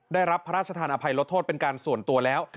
ได้รับพระราชทานอภัยลดโทษเป็นการส่วนตัวแล้ว